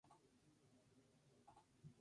Tiene tallos híspido-puberulentos.